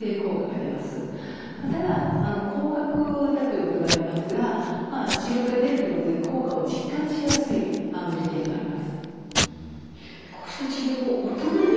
ただ高額だということがありますがまあ視力が出るということで効果を実感しやすい利点があります。